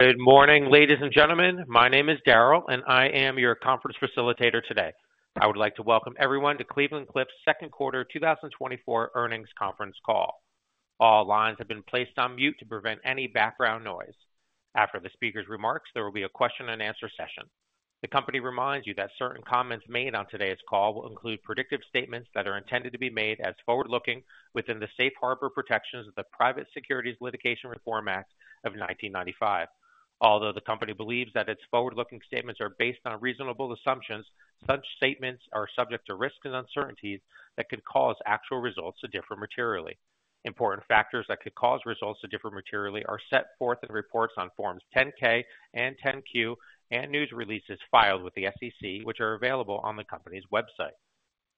Good morning, ladies and gentlemen. My name is Darrell, and I am your conference facilitator today. I would like to welcome everyone to Cleveland-Cliffs second quarter 2024 earnings conference call. All lines have been placed on mute to prevent any background noise. After the speaker's remarks, there will be a question-and-answer session. The company reminds you that certain comments made on today's call will include predictive statements that are intended to be made as forward-looking within the safe harbor protections of the Private Securities Litigation Reform Act of 1995. Although the company believes that its forward-looking statements are based on reasonable assumptions, such statements are subject to risks and uncertainties that could cause actual results to differ materially. Important factors that could cause results to differ materially are set forth in reports on Forms 10-K and 10-Q, and news releases filed with the SEC, which are available on the company's website.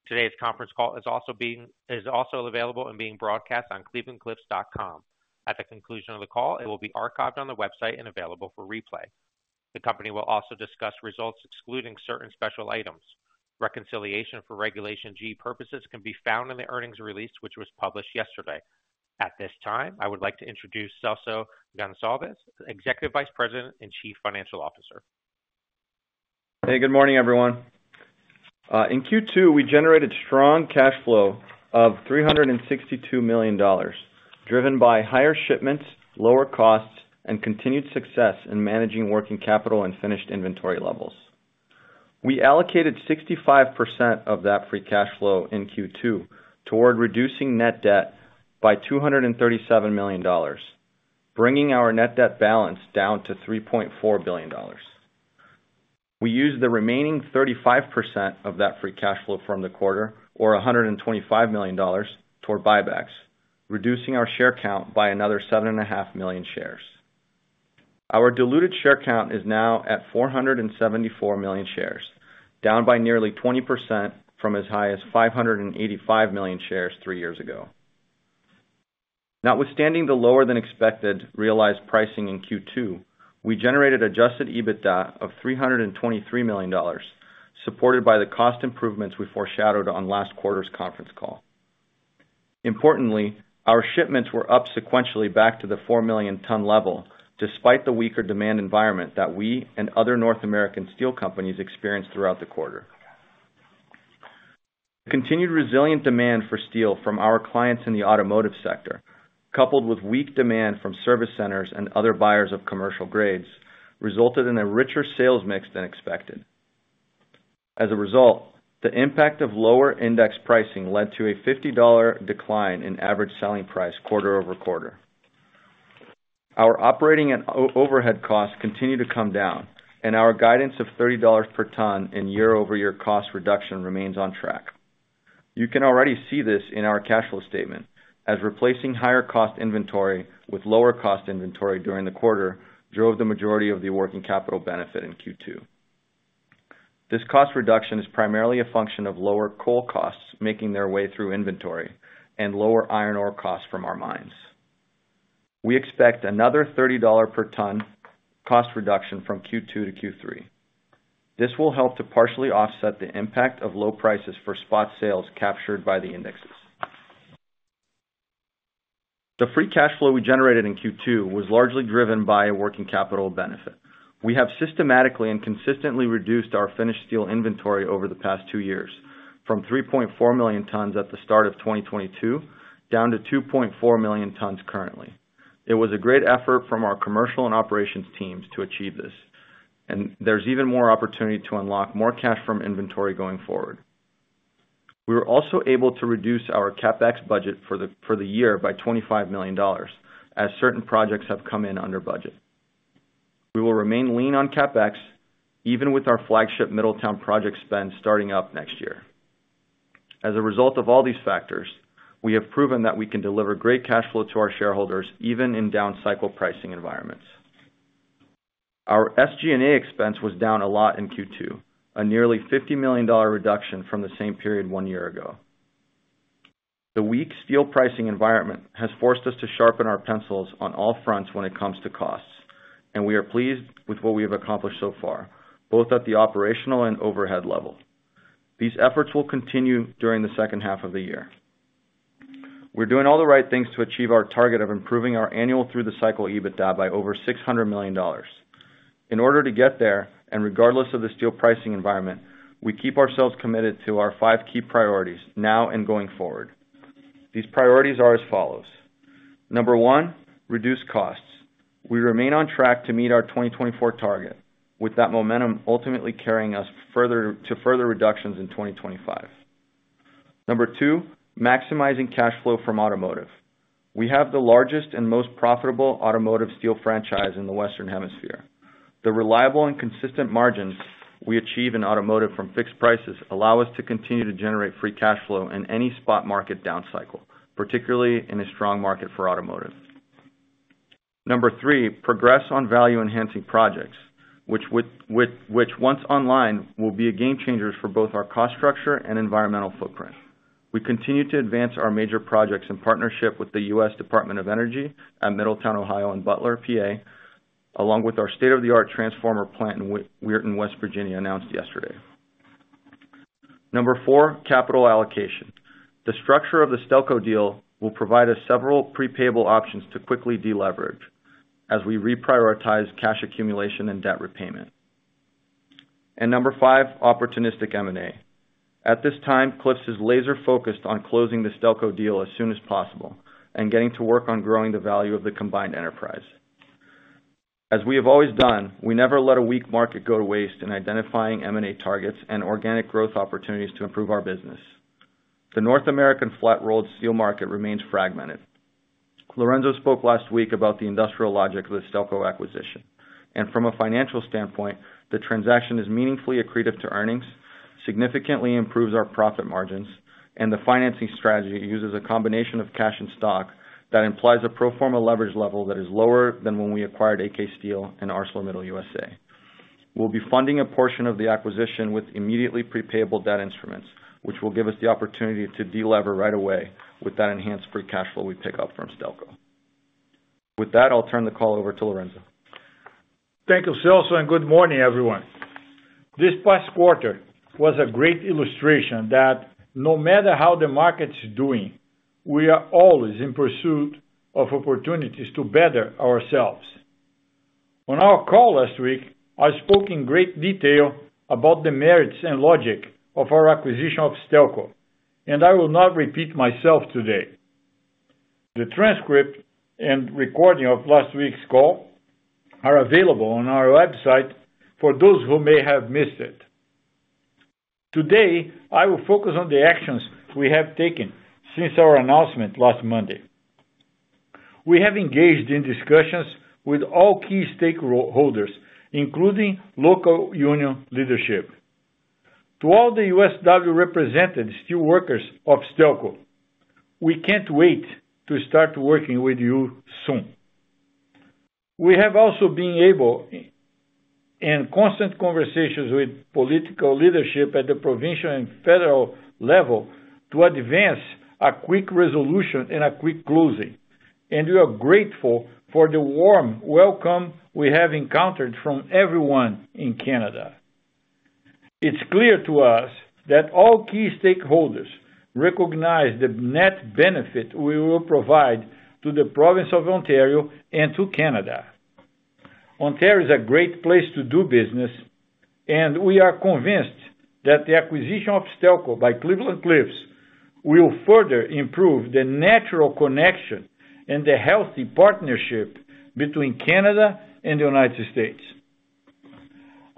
Today's conference call is also available and being broadcast on clevelandcliffs.com. At the conclusion of the call, it will be archived on the website and available for replay. The company will also discuss results excluding certain special items. Reconciliation for Regulation G purposes can be found in the earnings release, which was published yesterday. At this time, I would like to introduce Celso Goncalves, Executive Vice President and Chief Financial Officer. Hey, good morning, everyone. In Q2, we generated strong cash flow of $362 million, driven by higher shipments, lower costs, and continued success in managing working capital and finished inventory levels. We allocated 65% of that free cash flow in Q2 toward reducing net debt by $237 million, bringing our net debt balance down to $3.4 billion. We used the remaining 35% of that free cash flow from the quarter, or $125 million, toward buybacks, reducing our share count by another 7.5 million shares. Our diluted share count is now at 474 million shares, down by nearly 20% from as high as 585 million shares three years ago. Notwithstanding the lower-than-expected realized pricing in Q2, we generated adjusted EBITDA of $323 million, supported by the cost improvements we foreshadowed on last quarter's conference call. Importantly, our shipments were up sequentially back to the 4 million ton level, despite the weaker demand environment that we and other North American steel companies experienced throughout the quarter. Continued resilient demand for steel from our clients in the automotive sector, coupled with weak demand from service centers and other buyers of commercial grades, resulted in a richer sales mix than expected. As a result, the impact of lower index pricing led to a $50 decline in average selling price quarter-over-quarter. Our operating and overhead costs continue to come down, and our guidance of $30 per ton in year-over-year cost reduction remains on track. You can already see this in our cash flow statement, as replacing higher cost inventory with lower cost inventory during the quarter drove the majority of the working capital benefit in Q2. This cost reduction is primarily a function of lower coal costs making their way through inventory and lower iron ore costs from our mines. We expect another $30 per ton cost reduction from Q2 to Q3. This will help to partially offset the impact of low prices for spot sales captured by the indexes. The free cash flow we generated in Q2 was largely driven by a working capital benefit. We have systematically and consistently reduced our finished steel inventory over the past 2 years, from 3.4 million tons at the start of 2022 down to 2.4 million tons currently. It was a great effort from our commercial and operations teams to achieve this, and there's even more opportunity to unlock more cash from inventory going forward. We were also able to reduce our CapEx budget for the year by $25 million, as certain projects have come in under budget. We will remain lean on CapEx, even with our flagship Middletown project spend starting up next year. As a result of all these factors, we have proven that we can deliver great cash flow to our shareholders even in down-cycle pricing environments. Our SG&A expense was down a lot in Q2, a nearly $50 million reduction from the same period one year ago. The weak steel pricing environment has forced us to sharpen our pencils on all fronts when it comes to costs, and we are pleased with what we have accomplished so far, both at the operational and overhead level. These efforts will continue during the second half of the year. We're doing all the right things to achieve our target of improving our annual through-the-cycle EBITDA by over $600 million. In order to get there, and regardless of the steel pricing environment, we keep ourselves committed to our five key priorities now and going forward. These priorities are as follows. Number one, reduce costs. We remain on track to meet our 2024 target, with that momentum ultimately carrying us to further reductions in 2025. Number two, maximizing cash flow from automotive. We have the largest and most profitable automotive steel franchise in the Western Hemisphere. The reliable and consistent margins we achieve in automotive from fixed prices allow us to continue to generate free cash flow in any spot market down cycle, particularly in a strong market for automotive. Number three, progress on value-enhancing projects, which, once online, will be a game changer for both our cost structure and environmental footprint. We continue to advance our major projects in partnership with the U.S. Department of Energy at Middletown, Ohio, and Butler, PA, along with our state-of-the-art transformer plant in Weirton, West Virginia, announced yesterday. Number four, capital allocation. The structure of the Stelco deal will provide us several prepayable options to quickly deleverage, as we reprioritize cash accumulation and debt repayment. And number five, opportunistic M&A. At this time, Cliffs is laser-focused on closing the Stelco deal as soon as possible and getting to work on growing the value of the combined enterprise. As we have always done, we never let a weak market go to waste in identifying M&A targets and organic growth opportunities to improve our business. The North American flat-rolled steel market remains fragmented. Lourenco spoke last week about the industrial logic of the Stelco acquisition, and from a financial standpoint, the transaction is meaningfully accretive to earnings, significantly improves our profit margins, and the financing strategy uses a combination of cash and stock that implies a pro forma leverage level that is lower than when we acquired AK Steel and ArcelorMittal USA. We'll be funding a portion of the acquisition with immediately prepayable debt instruments, which will give us the opportunity to delever right away with that enhanced free cash flow we pick up from Stelco. With that, I'll turn the call over to Lourenco. Thank you, Celso, and good morning, everyone. This past quarter was a great illustration that no matter how the market's doing, we are always in pursuit of opportunities to better ourselves. On our call last week, I spoke in great detail about the merits and logic of our acquisition of Stelco, and I will not repeat myself today. The transcript and recording of last week's call are available on our website for those who may have missed it. Today, I will focus on the actions we have taken since our announcement last Monday. We have engaged in discussions with all key stakeholders, including local union leadership. To all the USW represented steel workers of Stelco, we can't wait to start working with you soon. We have also been able, in constant conversations with political leadership at the provincial and federal level, to advance a quick resolution and a quick closing, and we are grateful for the warm welcome we have encountered from everyone in Canada. It's clear to us that all key stakeholders recognize the net benefit we will provide to the province of Ontario and to Canada. Ontario is a great place to do business, and we are convinced that the acquisition of Stelco by Cleveland-Cliffs will further improve the natural connection and the healthy partnership between Canada and the United States.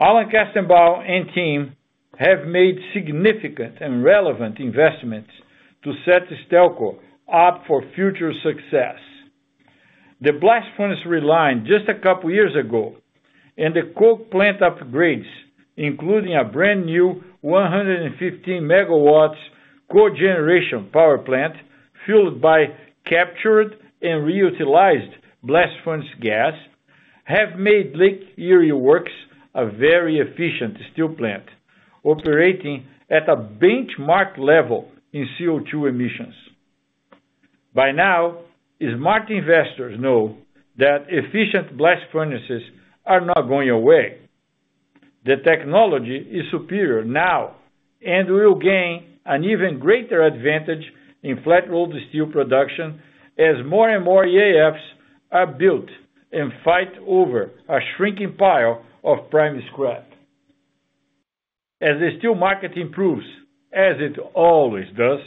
Alan Kestenbaum and team have made significant and relevant investments to set Stelco up for future success. The blast furnace we lined just a couple of years ago and the coke plant upgrades, including a brand new 115 MW cogeneration power plant fueled by captured and reutilized blast furnace gas, have made Lake Erie Works a very efficient steel plant, operating at a benchmark level in CO2 emissions. By now, smart investors know that efficient blast furnaces are not going away. The technology is superior now, and we'll gain an even greater advantage in flat-rolled steel production as more and more EAFs are built and fight over a shrinking pile of prime scrap. As the steel market improves, as it always does,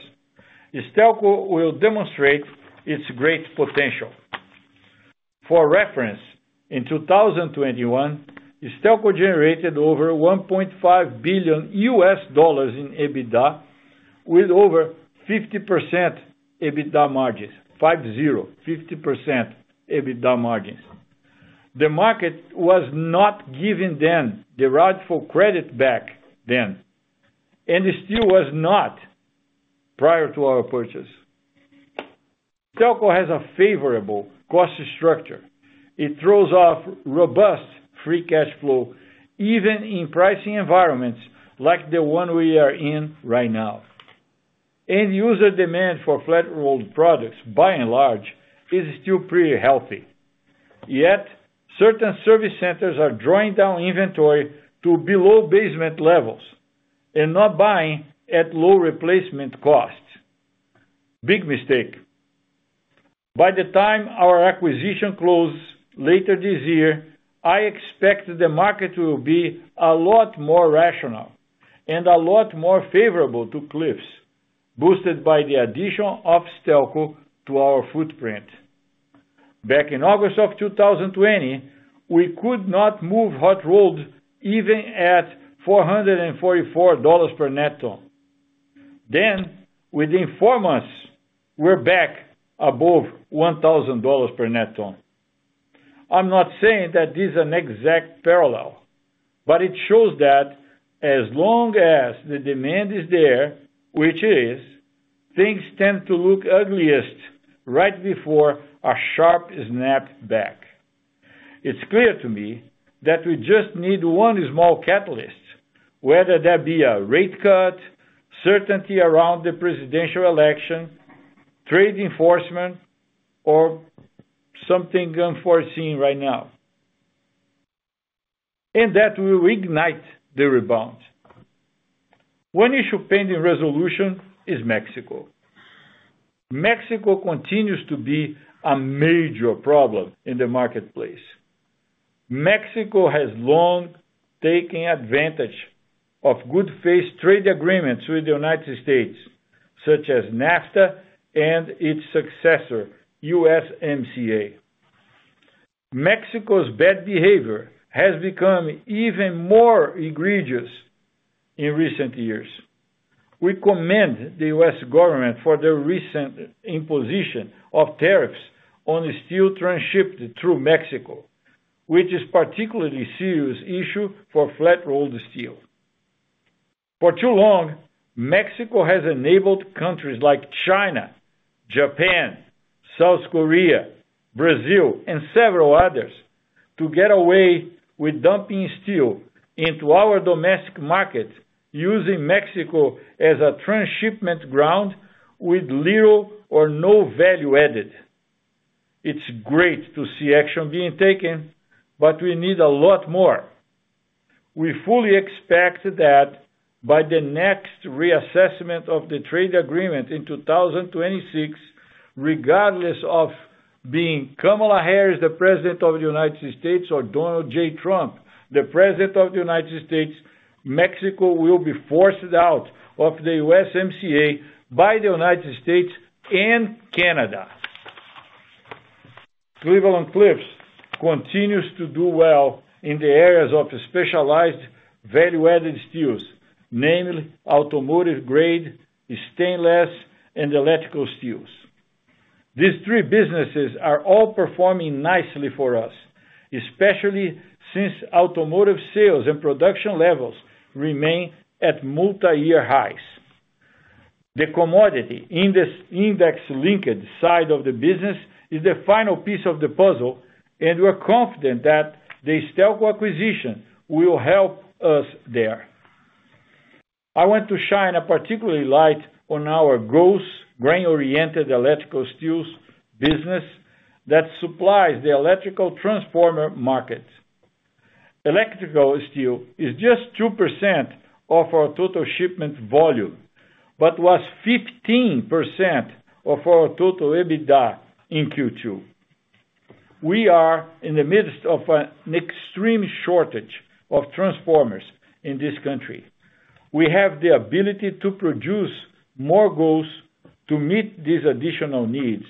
Stelco will demonstrate its great potential. For reference, in 2021, Stelco generated over $1.5 billion in EBITDA, with over 50% EBITDA margins, 50, 50% EBITDA margins. The market was not giving them the rightful credit back then, and the steel was not prior to our purchase. Stelco has a favorable cost structure. It throws off robust free cash flow even in pricing environments like the one we are in right now. End-user demand for flat-rolled products, by and large, is still pretty healthy. Yet, certain service centers are drawing down inventory to below basement levels and not buying at low replacement costs. Big mistake. By the time our acquisition closes later this year, I expect the market will be a lot more rational and a lot more favorable to Cliffs, boosted by the addition of Stelco to our footprint. Back in August of 2020, we could not move hot-rolled even at $444 per net ton. Then, within four months, we're back above $1,000 per net ton. I'm not saying that this is an exact parallel, but it shows that as long as the demand is there, which it is, things tend to look ugliest right before a sharp snap back. It's clear to me that we just need one small catalyst, whether that be a rate cut, certainty around the presidential election, trade enforcement, or something unforeseen right now, and that will ignite the rebound. One issue pending resolution is Mexico. Mexico continues to be a major problem in the marketplace. Mexico has long taken advantage of good-faith trade agreements with the United States, such as NAFTA and its successor, USMCA. Mexico's bad behavior has become even more egregious in recent years. We commend the U.S. government for the recent imposition of tariffs on steel transshipped through Mexico, which is a particularly serious issue for flat-rolled steel. For too long, Mexico has enabled countries like China, Japan, South Korea, Brazil, and several others to get away with dumping steel into our domestic market using Mexico as a transshipment ground with little or no value added. It's great to see action being taken, but we need a lot more. We fully expect that by the next reassessment of the trade agreement in 2026, regardless of being Kamala Harris the president of the United States or Donald J. Trump the president of the United States, Mexico will be forced out of the USMCA by the United States and Canada. Cleveland-Cliffs continues to do well in the areas of specialized value-added steels, namely automotive-grade, stainless, and electrical steels. These three businesses are all performing nicely for us, especially since automotive sales and production levels remain at multi-year highs. The commodity index-linked side of the business is the final piece of the puzzle, and we're confident that the Stelco acquisition will help us there. I want to shine a particular light on our GOES grain-oriented electrical steel business that supplies the electrical transformer market. Electrical steel is just 2% of our total shipment volume but was 15% of our total EBITDA in Q2. We are in the midst of an extreme shortage of transformers in this country. We have the ability to produce more GOES to meet these additional needs,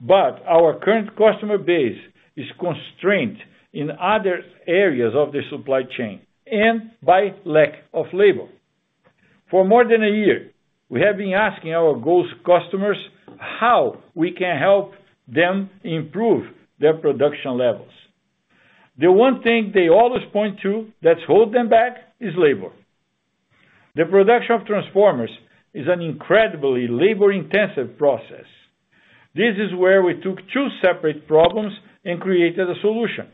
but our current customer base is constrained in other areas of the supply chain and by lack of labor. For more than a year, we have been asking our GOES customers how we can help them improve their production levels. The one thing they always point to that's holding them back is labor. The production of transformers is an incredibly labor-intensive process. This is where we took two separate problems and created a solution.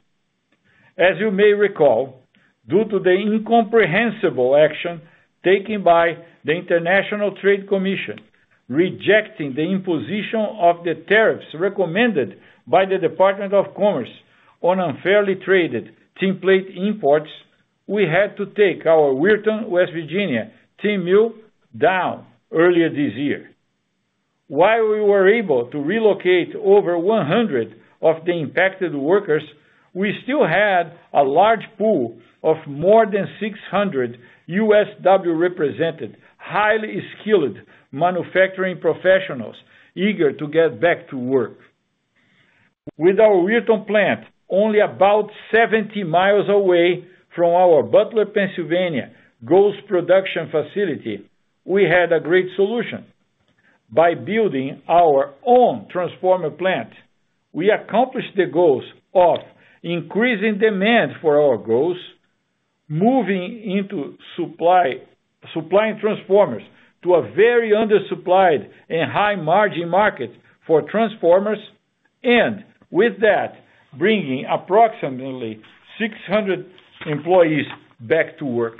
As you may recall, due to the incomprehensible action taken by the International Trade Commission rejecting the imposition of the tariffs recommended by the Department of Commerce on unfairly traded tinplate imports, we had to take our Weirton, West Virginia, tin mill down earlier this year. While we were able to relocate over 100 of the impacted workers, we still had a large pool of more than 600 USW-represented, highly skilled manufacturing professionals eager to get back to work. With our Weirton plant, only about 70 miles away from our Butler, Pennsylvania, GOES production facility, we had a great solution. By building our own transformer plant, we accomplished the goals of increasing demand for our GOES, moving into supplying transformers to a very undersupplied and high-margin market for transformers, and with that, bringing approximately 600 employees back to work.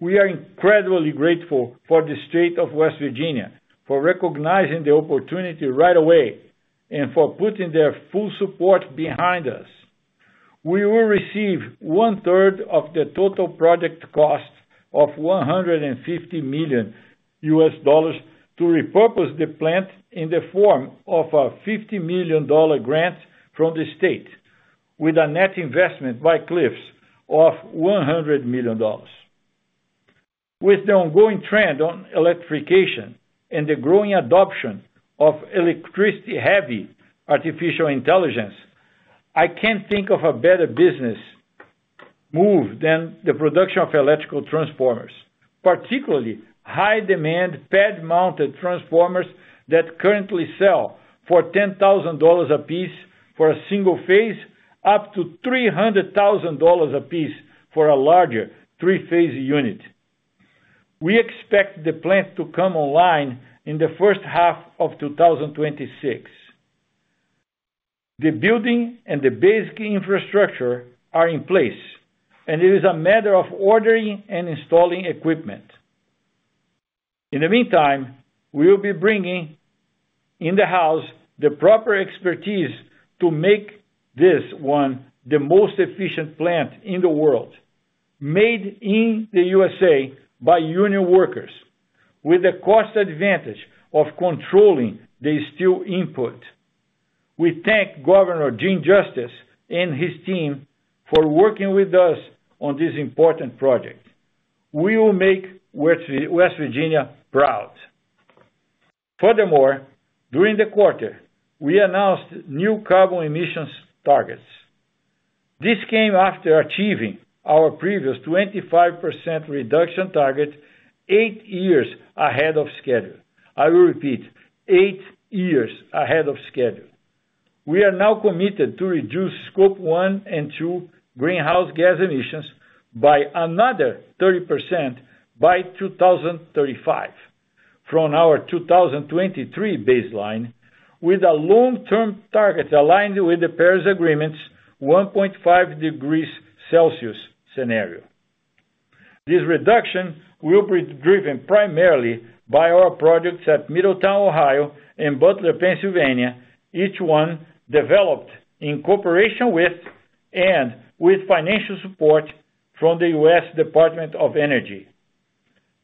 We are incredibly grateful for the state of West Virginia for recognizing the opportunity right away and for putting their full support behind us. We will receive 1/3 of the total project cost of $150 million to repurpose the plant in the form of a $50 million grant from the state, with a net investment by Cliffs of $100 million. With the ongoing trend on electrification and the growing adoption of electricity-heavy artificial intelligence, I can't think of a better business move than the production of electrical transformers, particularly high-demand pad-mounted transformers that currently sell for $10,000 a piece for a single phase, up to $300,000 a piece for a larger three-phase unit. We expect the plant to come online in the first half of 2026. The building and the basic infrastructure are in place, and it is a matter of ordering and installing equipment. In the meantime, we will be bringing in-house the proper expertise to make this one the most efficient plant in the world, made in the USA by union workers, with the cost advantage of controlling the steel input. We thank Governor Jim Justice and his team for working with us on this important project. We will make West Virginia proud. Furthermore, during the quarter, we announced new carbon emissions targets. This came after achieving our previous 25% reduction target, eight years ahead of schedule. I will repeat, eight years ahead of schedule. We are now committed to reduce Scope 1 and 2 greenhouse gas emissions by another 30% by 2035 from our 2023 baseline, with a long-term target aligned with the Paris Agreement's 1.5 degrees Celsius scenario. This reduction will be driven primarily by our projects at Middletown, Ohio, and Butler, Pennsylvania, each one developed in cooperation with and with financial support from the U.S. Department of Energy.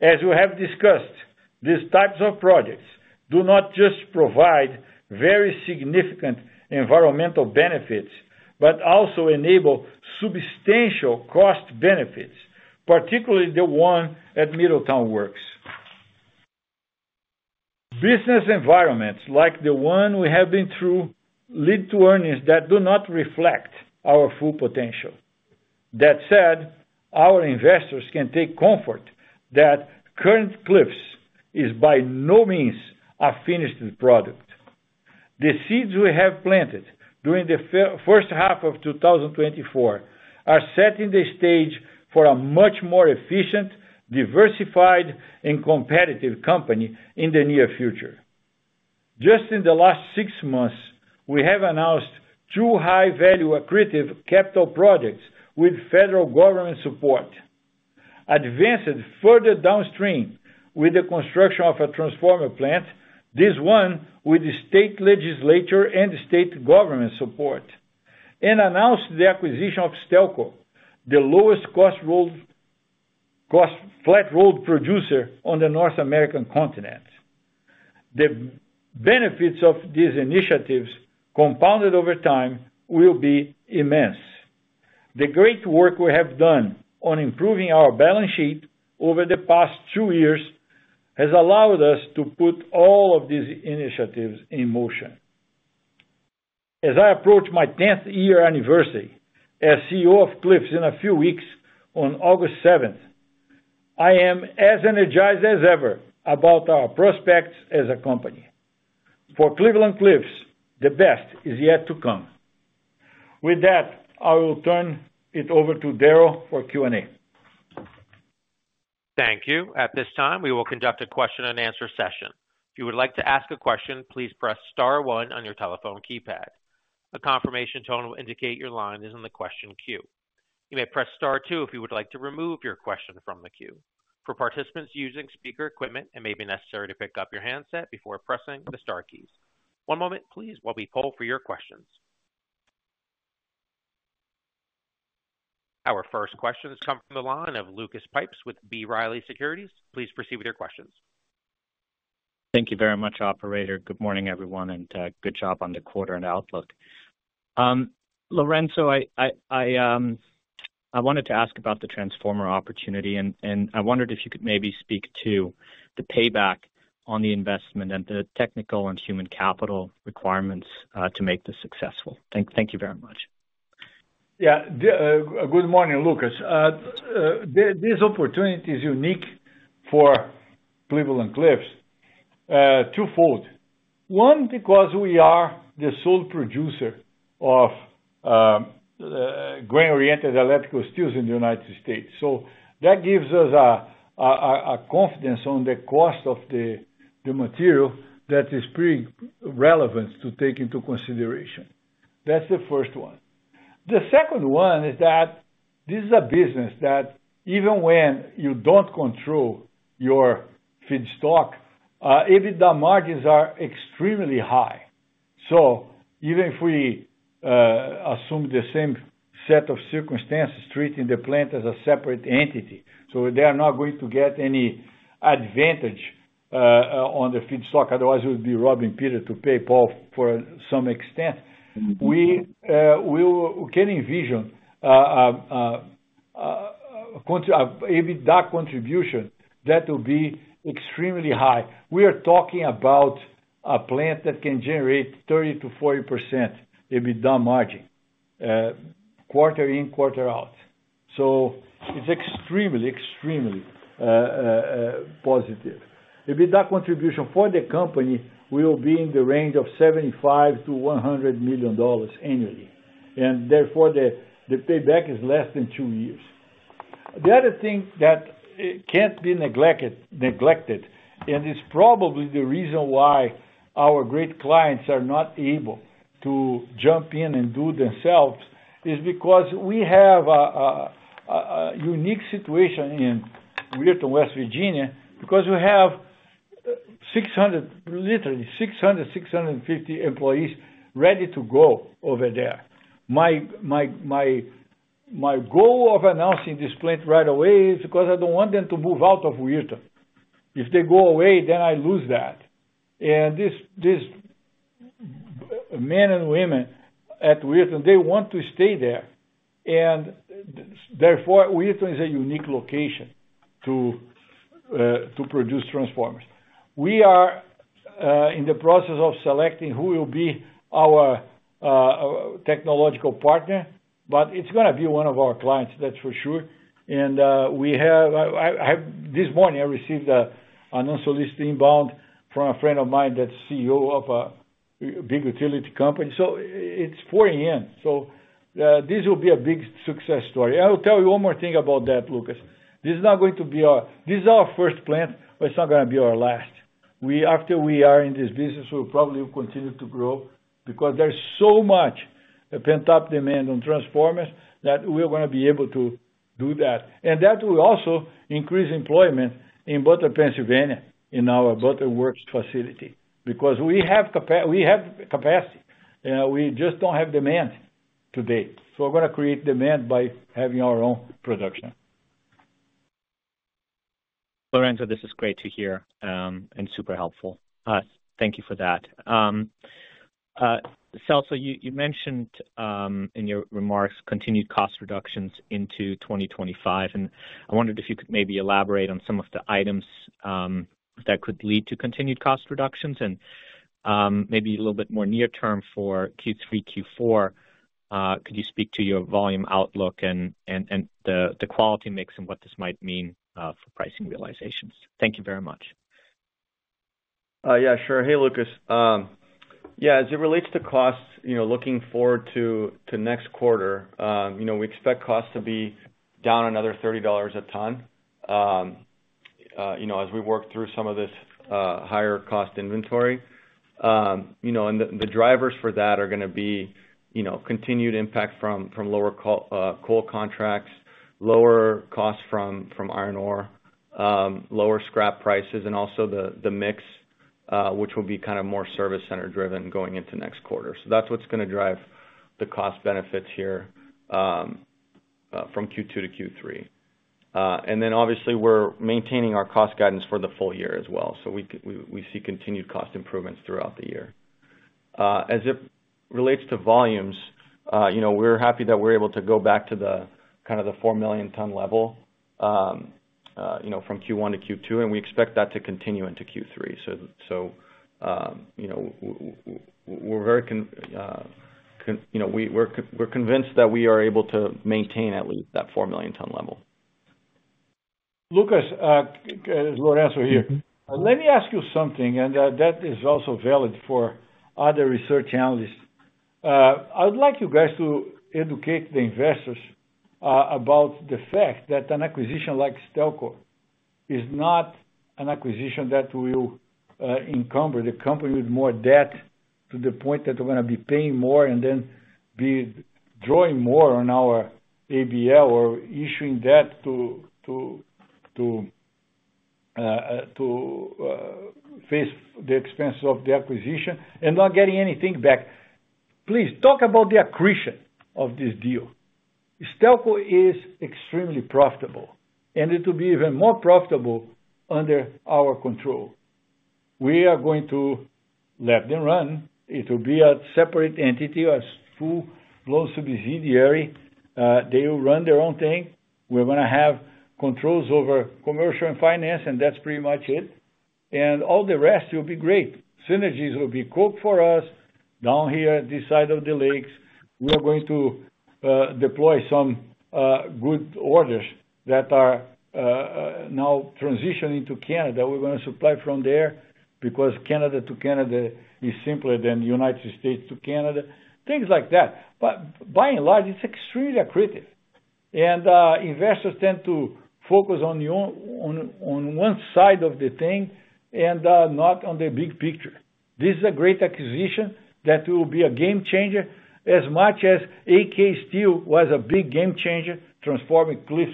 As we have discussed, these types of projects do not just provide very significant environmental benefits, but also enable substantial cost benefits, particularly the one at Middletown Works. Business environments like the one we have been through lead to earnings that do not reflect our full potential. That said, our investors can take comfort that current Cliffs is by no means a finished product. The seeds we have planted during the first half of 2024 are setting the stage for a much more efficient, diversified, and competitive company in the near future. Just in the last six months, we have announced two high-value accretive capital projects with federal government support, advanced further downstream with the construction of a transformer plant, this one with state legislature and state government support, and announced the acquisition of Stelco, the lowest-cost rolled flat-rolled producer on the North American continent. The benefits of these initiatives, compounded over time, will be immense. The great work we have done on improving our balance sheet over the past two years has allowed us to put all of these initiatives in motion. As I approach my 10th year anniversary as CEO of Cliffs in a few weeks, on August 7th, I am as energized as ever about our prospects as a company. For Cleveland-Cliffs, the best is yet to come. With that, I will turn it over to Darryl for Q&A. Thank you. At this time, we will conduct a question-and-answer session. If you would like to ask a question, please press star one on your telephone keypad. A confirmation tone will indicate your line is in the question queue. You may press star two if you would like to remove your question from the queue. For participants using speaker equipment, it may be necessary to pick up your handset before pressing the star keys. One moment, please, while we poll for your questions. Our first question has come from the line of Lucas Pipes with B. Riley Securities. Please proceed with your questions. Thank you very much, Operator. Good morning, everyone, and good job on the quarter and outlook. Lourenco, I wanted to ask about the transformer opportunity, and I wondered if you could maybe speak to the payback on the investment and the technical and human capital requirements to make this successful. Thank you very much. Yeah, good morning, Lucas. This opportunity is unique for Cleveland-Cliffs. Twofold. One, because we are the sole producer of grain-oriented electrical steels in the United States. So that gives us a confidence on the cost of the material that is pretty relevant to take into consideration. That's the first one. The second one is that this is a business that even when you don't control your feedstock, EBITDA margins are extremely high. So even if we assume the same set of circumstances, treating the plant as a separate entity, so they are not going to get any advantage on the feedstock, otherwise it would be robbing Peter to pay Paul to some extent, we can envision EBITDA contribution that will be extremely high. We are talking about a plant that can generate 30%-40% EBITDA margin, quarter in, quarter out. So it's extremely, extremely positive. EBITDA contribution for the company will be in the range of $75 million-$100 million annually. And therefore, the payback is less than 2 years. The other thing that can't be neglected and is probably the reason why our great clients are not able to jump in and do it themselves is because we have a unique situation in Weirton, West Virginia, because we have literally 600-650 employees ready to go over there. My goal of announcing this plant right away is because I don't want them to move out of Weirton. If they go away, then I lose that. And these men and women at Weirton, they want to stay there. And therefore, Weirton is a unique location to produce transformers. We are in the process of selecting who will be our technological partner, but it's going to be one of our clients, that's for sure. And this morning, I received an unsolicited inbound from a friend of mine that's CEO of a big utility company. So it's pouring in. So this will be a big success story. I'll tell you one more thing about that, Lucas. This is our first plant, but it's not going to be our last. After we are in this business, we'll probably continue to grow because there's so much pent-up demand on transformers that we're going to be able to do that. That will also increase employment in Butler, Pennsylvania, in our Butler Works facility because we have capacity. We just don't have demand today. We're going to create demand by having our own production. Lourenco, this is great to hear and super helpful. Thank you for that. Celso, you mentioned in your remarks continued cost reductions into 2025. I wondered if you could maybe elaborate on some of the items that could lead to continued cost reductions and maybe a little bit more near-term for Q3, Q4. Could you speak to your volume outlook and the quality mix and what this might mean for pricing realizations? Thank you very much. Yeah, sure. Hey, Lucas. Yeah, as it relates to costs, looking forward to next quarter, we expect costs to be down another $30 a ton as we work through some of this higher cost inventory. And the drivers for that are going to be continued impact from lower coal contracts, lower costs from iron ore, lower scrap prices, and also the mix, which will be kind of more service-centered driven going into next quarter. So that's what's going to drive the cost benefits here from Q2 to Q3. And then, obviously, we're maintaining our cost guidance for the full year as well. So we see continued cost improvements throughout the year. As it relates to volumes, we're happy that we're able to go back to the kind of the 4 million ton level from Q1 to Q2, and we expect that to continue into Q3. So we're convinced that we are able to maintain at least that 4 million ton level. Lucas, Lourenco here. Let me ask you something, and that is also valid for other research analysts. I would like you guys to educate the investors about the fact that an acquisition like Stelco is not an acquisition that will encumber the company with more debt to the point that we're going to be paying more and then drawing more on our ABL or issuing debt to face the expenses of the acquisition and not getting anything back. Please talk about the accretion of this deal. Stelco is extremely profitable, and it will be even more profitable under our control. We are going to let them run. It will be a separate entity, a full-blown subsidiary. They will run their own thing. We're going to have controls over commercial and finance, and that's pretty much it. All the rest will be great. Synergies will be cooked for us down here at this side of the lakes. We are going to deploy some good orders that are now transitioning to Canada. We're going to supply from there because Canada to Canada is simpler than United States to Canada, things like that. But by and large, it's extremely accretive. Investors tend to focus on one side of the thing and not on the big picture. This is a great acquisition that will be a game changer, as much as AK Steel was a big game changer, transforming Cliffs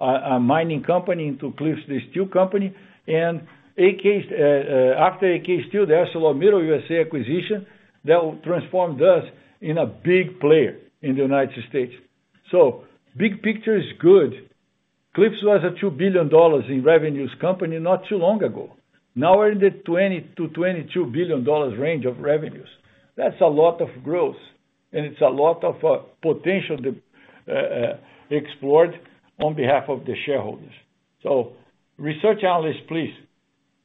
Mining Company into Cliffs Steel Company. After AK Steel, there's ArcelorMittal USA acquisition that will transform us in a big player in the United States. Big picture is good. Cliffs was a $2 billion in revenues company not too long ago. Now we're in the $20 billion-$22 billion range of revenues. That's a lot of growth, and it's a lot of potential explored on behalf of the shareholders. So research analysts, please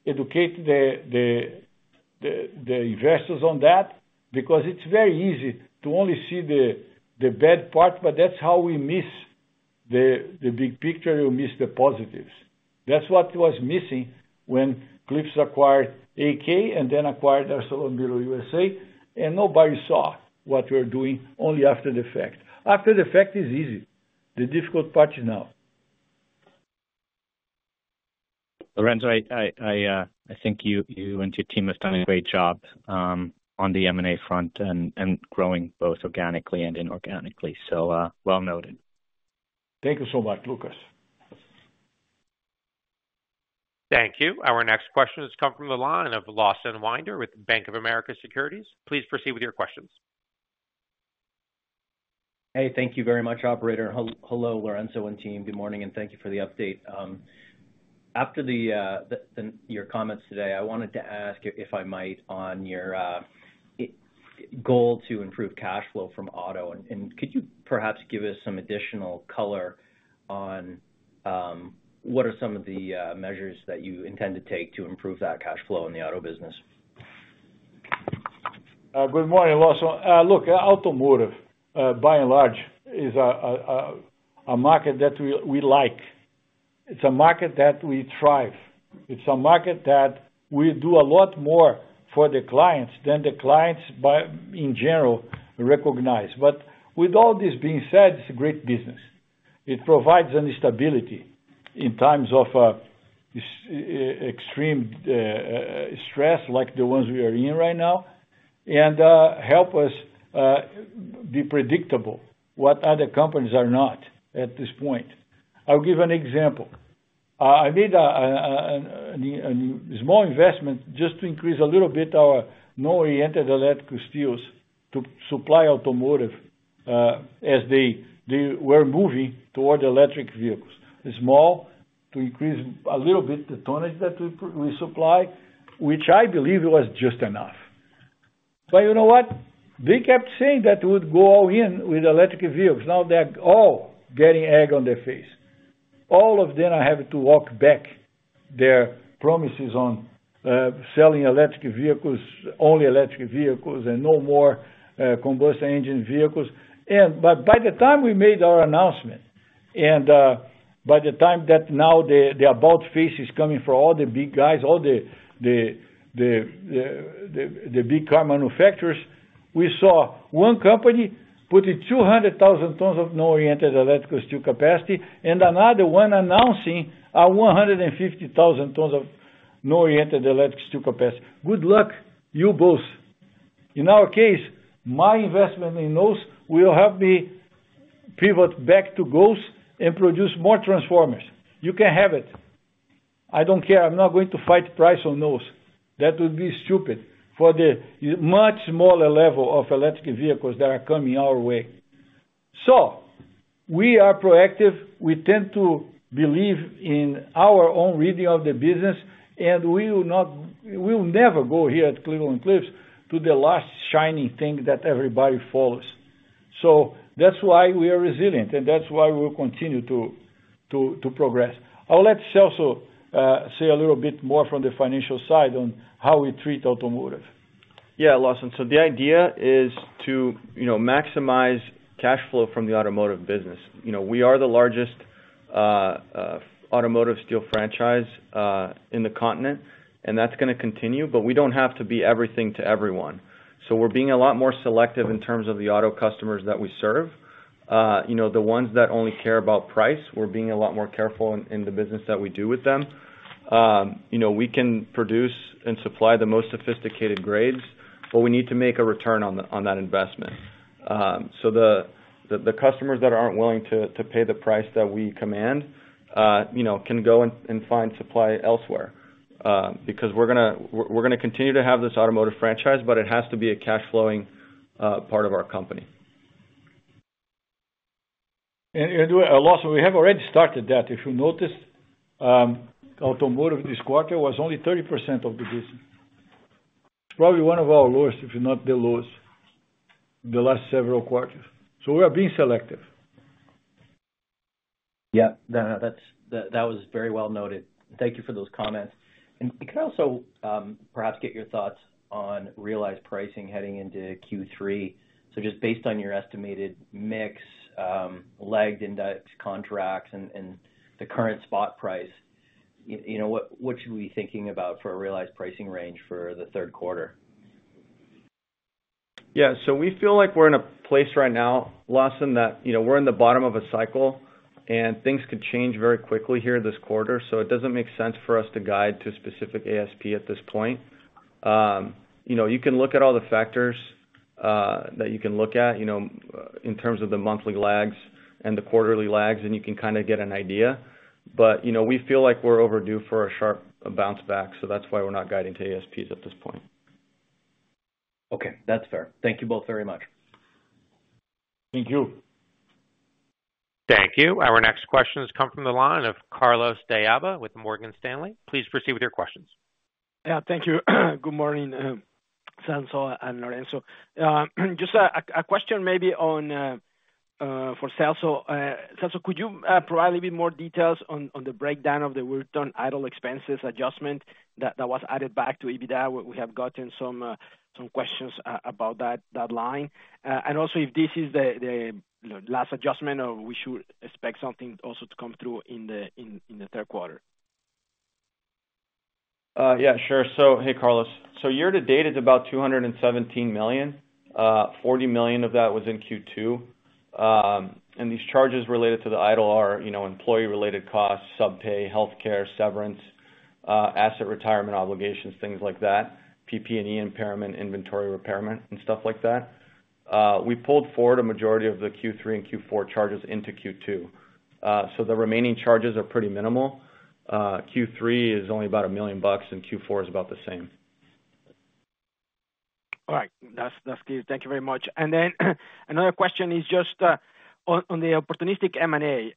educate the investors on that because it's very easy to only see the bad part, but that's how we miss the big picture. We miss the positives. That's what was missing when Cliffs acquired AK and then acquired ArcelorMittal USA, and nobody saw what we're doing only after the fact. After the fact is easy. The difficult part is now. Lourenco, I think you and your team have done a great job on the M&A front and growing both organically and inorganically. So well noted. Thank you so much, Lucas. Thank you. Our next question has come from the line of Lawson Winder with Bank of America Securities. Please proceed with your questions. Hey, thank you very much, Operator. Hello, Lourenco and team. Good morning, and thank you for the update. After your comments today, I wanted to ask if I might on your goal to improve cash flow from auto. And could you perhaps give us some additional color on what are some of the measures that you intend to take to improve that cash flow in the auto business? Good morning, Lawson. Look, automotive, by and large, is a market that we like. It's a market that we thrive. It's a market that we do a lot more for the clients than the clients in general recognize. But with all this being said, it's a great business. It provides stability in times of extreme stress like the ones we are in right now and helps us be predictable, what other companies are not at this point. I'll give an example. I made a small investment just to increase a little bit our non-oriented electrical steels to supply automotive as they were moving toward electric vehicles. Small to increase a little bit the tonnage that we supply, which I believe was just enough. But you know what? They kept saying that we would go all in with electric vehicles. Now they're all getting egg on their face. All of them are having to walk back their promises on selling electric vehicles, only electric vehicles, and no more combustion engine vehicles. By the time we made our announcement and by the time that now the about face is coming for all the big guys, all the big car manufacturers, we saw one company putting 200,000 tons of non-oriented electric steel capacity and another one announcing 150,000 tons of non-oriented electric steel capacity. Good luck, you both. In our case, my investment in those will help me pivot back to GOES and produce more transformers. You can have it. I don't care. I'm not going to fight price on those. That would be stupid for the much smaller level of electric vehicles that are coming our way. So we are proactive. We tend to believe in our own reading of the business, and we will never go here at Cleveland-Cliffs to the last shining thing that everybody follows. So that's why we are resilient, and that's why we will continue to progress. I'll let Celso say a little bit more from the financial side on how we treat automotive. Yeah, Lawson. So the idea is to maximize cash flow from the automotive business. We are the largest automotive steel franchise in the continent, and that's going to continue, but we don't have to be everything to everyone. So we're being a lot more selective in terms of the auto customers that we serve. The ones that only care about price, we're being a lot more careful in the business that we do with them. We can produce and supply the most sophisticated grades, but we need to make a return on that investment. So the customers that aren't willing to pay the price that we command can go and find supply elsewhere because we're going to continue to have this automotive franchise, but it has to be a cash-flowing part of our company. And Lawson, we have already started that. If you noticed, automotive this quarter was only 30% of the business. It's probably one of our lowest, if not the lowest, the last several quarters. So we are being selective. Yeah, that was very well noted. Thank you for those comments. And could I also perhaps get your thoughts on realized pricing heading into Q3? So just based on your estimated mix, lagged index contracts, and the current spot price, what should we be thinking about for a realized pricing range for the third quarter? Yeah, so we feel like we're in a place right now, Lawson, that we're in the bottom of a cycle, and things could change very quickly here this quarter. So it doesn't make sense for us to guide to a specific ASP at this point. You can look at all the factors that you can look at in terms of the monthly lags and the quarterly lags, and you can kind of get an idea. But we feel like we're overdue for a sharp bounce back, so that's why we're not guiding to ASPs at this point. Okay, that's fair. Thank you both very much. Thank you. Thank you. Our next question has come from the line of Carlos de Alba with Morgan Stanley. Please proceed with your questions. Yeah, thank you. Good morning, Celso and Lourenco. Just a question maybe for Celso. Celso, could you provide a little bit more details on the breakdown of the workdown idle expenses adjustment that was added back to EBITDA? We have gotten some questions about that line. Also, if this is the last adjustment or we should expect something also to come through in the third quarter. Yeah, sure. So hey, Carlos. So year-to-date, it's about $217 million. $40 million of that was in Q2. And these charges related to the idle are employee-related costs, standby pay, healthcare, severance, asset retirement obligations, things like that, PP&E impairment, inventory impairment, and stuff like that. We pulled forward a majority of the Q3 and Q4 charges into Q2. So the remaining charges are pretty minimal. Q3 is only about $1 million, and Q4 is about the same. All right. That's good. Thank you very much. And then another question is just on the opportunistic M&A.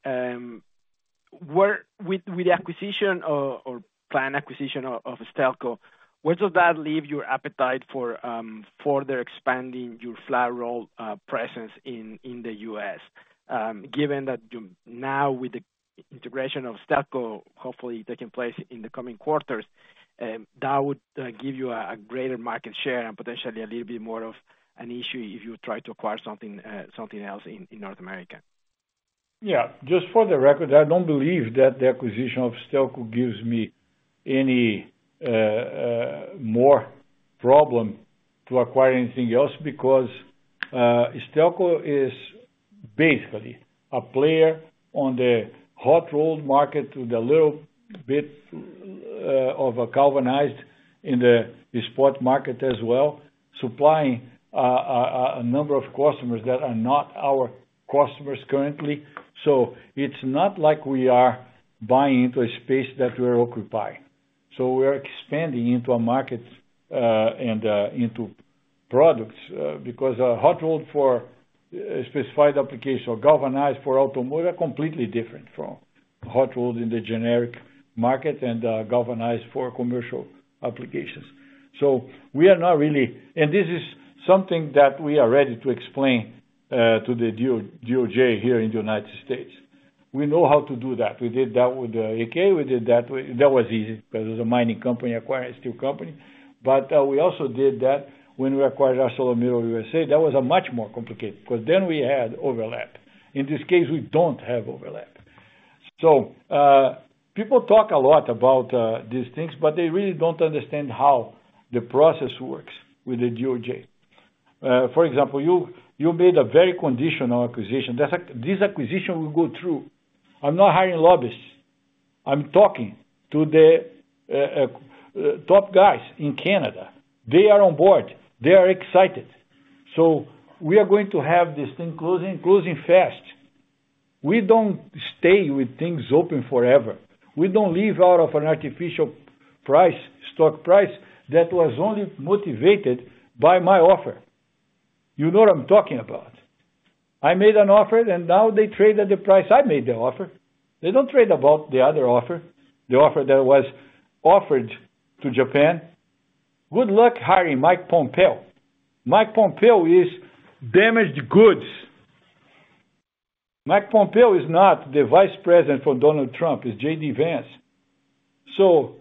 With the acquisition or planned acquisition of Stelco, where does that leave your appetite for further expanding your flat-rolled presence in the US? Given that now with the integration of Stelco, hopefully taking place in the coming quarters, that would give you a greater market share and potentially a little bit more of an issue if you try to acquire something else in North America. Yeah. Just for the record, I don't believe that the acquisition of Stelco gives me any more problem to acquire anything else because Stelco is basically a player on the hot-rolled market with a little bit of a galvanized in the spot market as well, supplying a number of customers that are not our customers currently. So it's not like we are buying into a space that we're occupying. So we're expanding into a market and into products because hot rolled for specified applications or galvanized for automotive are completely different from hot rolled in the generic market and galvanized for commercial applications. So we are not really and this is something that we are ready to explain to the DOJ here in the United States. We know how to do that. We did that with AK. We did that. That was easy because it was a mining company acquiring a steel company. But we also did that when we acquired ArcelorMittal USA. That was much more complicated because then we had overlap. In this case, we don't have overlap. So people talk a lot about these things, but they really don't understand how the process works with the DOJ. For example, you made a very conditional acquisition. This acquisition will go through. I'm not hiring lobbyists. I'm talking to the top guys in Canada. They are on board. They are excited. So we are going to have this thing closing fast. We don't stay with things open forever. We don't leave out of an artificial price, stock price that was only motivated by my offer. You know what I'm talking about. I made an offer, and now they trade at the price I made the offer. They don't trade about the other offer, the offer that was offered to Japan. Good luck hiring Mike Pompeo. Mike Pompeo is damaged goods. Mike Pompeo is not the vice president from Donald Trump. It's J.D. Vance. So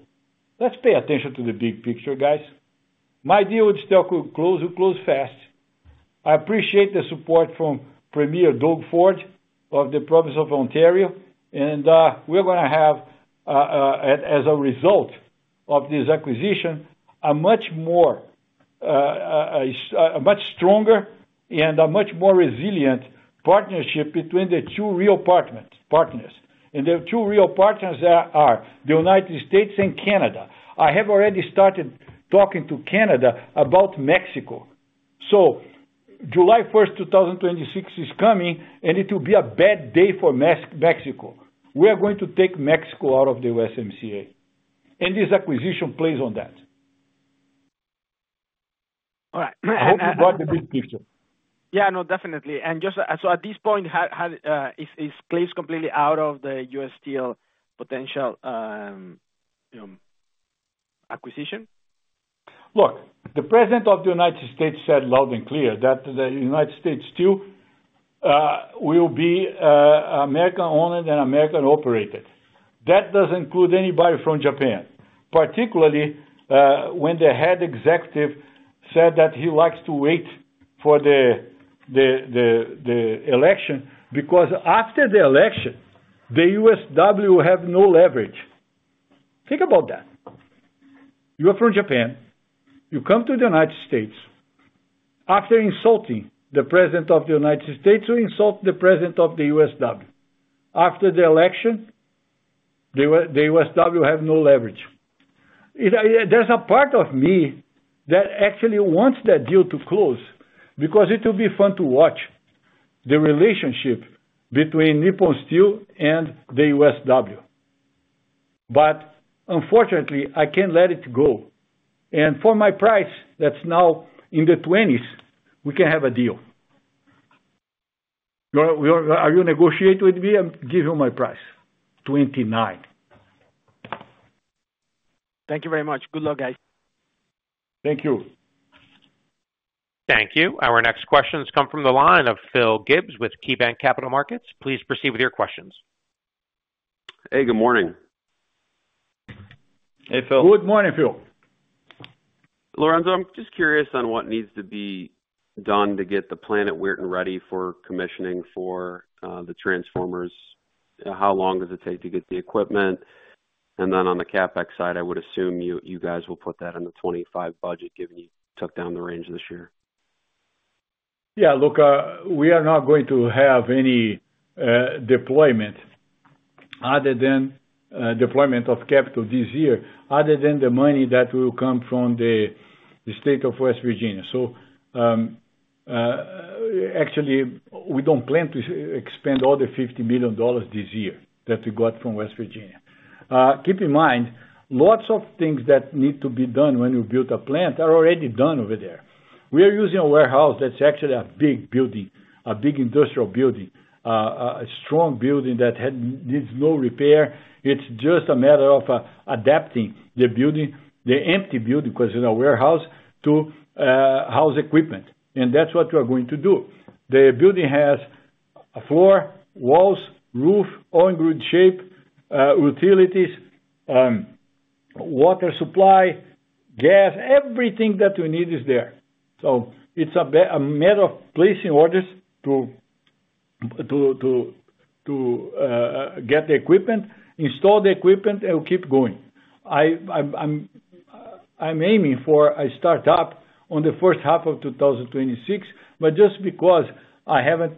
let's pay attention to the big picture, guys. My deal with Stelco closed fast. I appreciate the support from Premier Doug Ford of the province of Ontario. And we're going to have, as a result of this acquisition, a much stronger and a much more resilient partnership between the two real partners. And the two real partners are the United States and Canada. I have already started talking to Canada about Mexico. So July 1st, 2026 is coming, and it will be a bad day for Mexico. We are going to take Mexico out of the USMCA. And this acquisition plays on that. All right. I hope you got the big picture. Yeah, no, definitely. And so at this point, is Cliffs completely out of the U.S. Steel potential acquisition? Look, the president of the United States said loud and clear that the U.S. Steel will be American-owned and American-operated. That doesn't include anybody from Japan, particularly when the head executive said that he likes to wait for the election because after the election, the USW will have no leverage. Think about that. You are from Japan. You come to the United States. After insulting the president of the United States, you insult the president of the USW. After the election, the USW will have no leverage. There's a part of me that actually wants that deal to close because it will be fun to watch the relationship between Nippon Steel and the USW. But unfortunately, I can't let it go. For my price that's now in the $20s, we can have a deal. Are you negotiating with me? I'll give you my price, $29. Thank you very much. Good luck, guys. Thank you. Thank you. Our next questions come from the line of Phil Gibbs with KeyBanc Capital Markets. Please proceed with your questions. Hey, good morning. Hey, Phil. Good morning, Phil. Lourenco, I'm just curious on what needs to be done to get the plant at Weirton ready for commissioning for the transformers. How long does it take to get the equipment? And then on the CapEx side, I would assume you guys will put that in the 2025 budget given you took down the range this year. Yeah, look, we are not going to have any deployment other than deployment of capital this year, other than the money that will come from the state of West Virginia. So actually, we don't plan to expend all the $50 million this year that we got from West Virginia. Keep in mind, lots of things that need to be done when you build a plant are already done over there. We are using a warehouse that's actually a big building, a big industrial building, a strong building that needs no repair. It's just a matter of adapting the building, the empty building because it's a warehouse, to house equipment. And that's what we are going to do. The building has a floor, walls, roof, A-frame shape, utilities, water supply, gas. Everything that we need is there. So it's a matter of placing orders to get the equipment, install the equipment, and keep going. I'm aiming for a start-up on the first half of 2026, but just because I haven't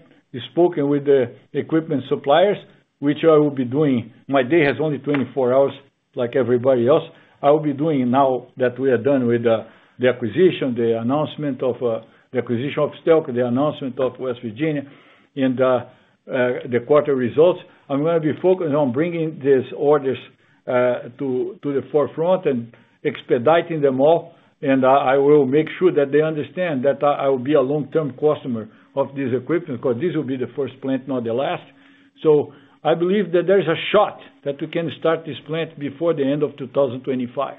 spoken with the equipment suppliers, which I will be doing, my day has only 24 hours like everybody else, I will be doing now that we are done with the acquisition, the announcement of the acquisition of Stelco, the announcement of West Virginia, and the quarter results. I'm going to be focused on bringing these orders to the forefront and expediting them all. And I will make sure that they understand that I will be a long-term customer of this equipment because this will be the first plant, not the last. So I believe that there's a shot that we can start this plant before the end of 2025.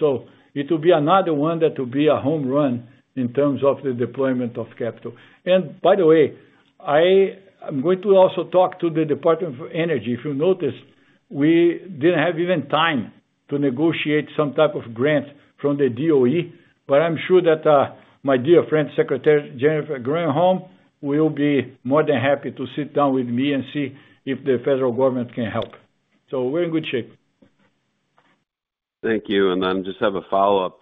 So it will be another one that will be a home run in terms of the deployment of capital. And by the way, I'm going to also talk to the Department of Energy. If you noticed, we didn't have even time to negotiate some type of grant from the DOE, but I'm sure that my dear friend, Secretary Jennifer Granholm, will be more than happy to sit down with me and see if the federal government can help. So we're in good shape. Thank you. And then just have a follow-up.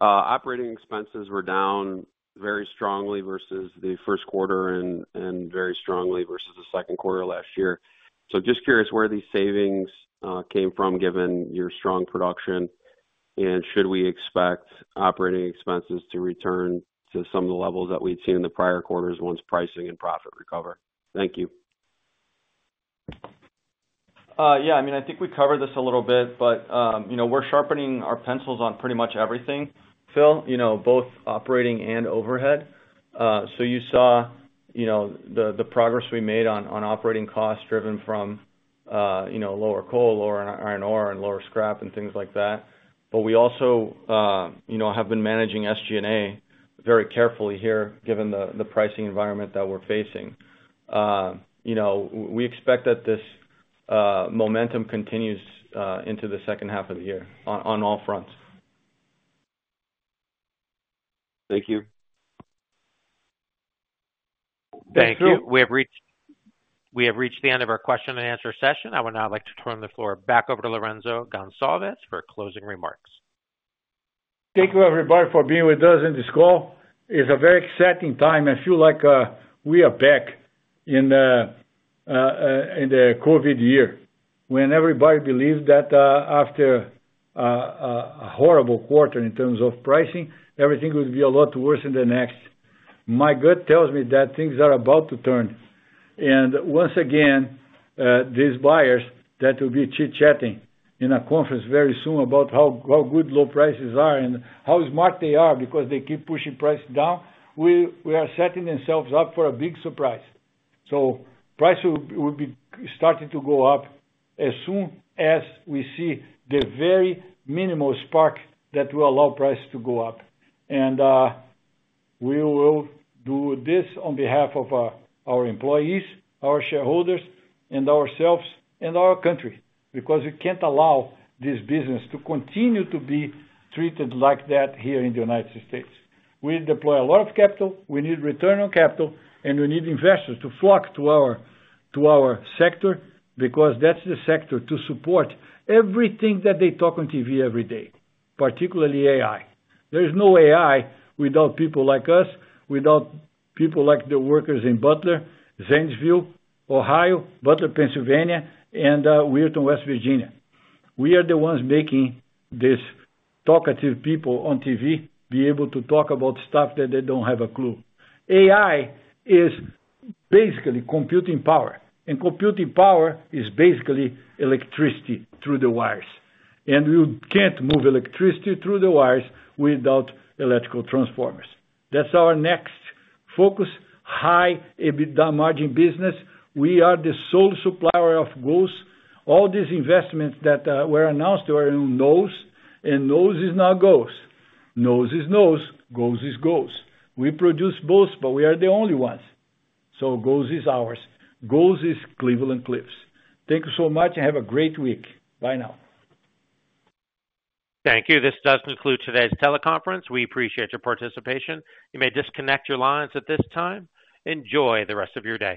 Operating expenses were down very strongly versus the first quarter and very strongly versus the second quarter last year. So just curious where these savings came from given your strong production. And should we expect operating expenses to return to some of the levels that we'd seen in the prior quarters once pricing and profit recover? Thank you. Yeah, I mean, I think we covered this a little bit, but we're sharpening our pencils on pretty much everything, Phil, both operating and overhead. So you saw the progress we made on operating costs driven from lower coal or iron ore and lower scrap and things like that. But we also have been managing SG&A very carefully here given the pricing environment that we're facing. We expect that this momentum continues into the second half of the year on all fronts. Thank you. Thank you. We have reached the end of our question and answer session. I would now like to turn the floor back over to Lourenco Goncalves for closing remarks. Thank you, everybody, for being with us in this call. It's a very exciting time. I feel like we are back in the COVID year when everybody believed that after a horrible quarter in terms of pricing, everything would be a lot worse in the next. My gut tells me that things are about to turn. And once again, these buyers that will be chit-chatting in a conference very soon about how good low prices are and how smart they are because they keep pushing prices down, we are setting themselves up for a big surprise. So prices will be starting to go up as soon as we see the very minimal spark that will allow prices to go up. And we will do this on behalf of our employees, our shareholders, and ourselves and our country because we can't allow this business to continue to be treated like that here in the United States. We deploy a lot of capital. We need return on capital, and we need investors to flock to our sector because that's the sector to support everything that they talk on TV every day, particularly AI. There is no AI without people like us, without people like the workers in Butler, Zanesville, Ohio, Butler, Pennsylvania, and Weirton, West Virginia. We are the ones making these talkative people on TV be able to talk about stuff that they don't have a clue. AI is basically computing power. Computing power is basically electricity through the wires. We can't move electricity through the wires without electrical transformers. That's our next focus, high margin business. We are the sole supplier of GOES. All these investments that were announced were in NOES, and NOES is not GOES. NOES is NOES. GOES is GOES. We produce both, but we are the only ones. So GOES is ours. GOES is Cleveland-Cliffs. Thank you so much, and have a great week. Bye now. Thank you. This does conclude today's teleconference. We appreciate your participation. You may disconnect your lines at this time. Enjoy the rest of your day.